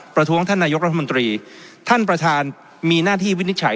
ประท้วงท่านนายกรัฐมนตรีท่านประธานมีหน้าที่วินิจฉัย